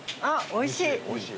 あっおいしい。